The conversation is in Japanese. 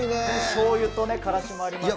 しょうゆとからしもあります